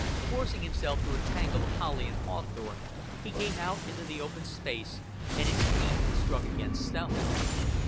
Forcing himself through a tangle of holly and hawthorn, he came out into the open space and his feet struck against stone.